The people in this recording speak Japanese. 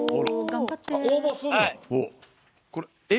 応募するの？